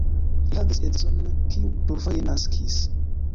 Li havis edzinon, kiu plurfoje naskis.